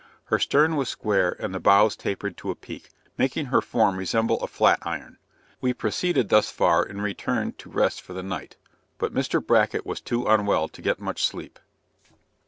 Her stern was square and the bows tapered to a peak, making her form resemble a flat iron. We proceeded thus far and returned to rest for the night but Mr. Bracket was too unwell to get much sleep.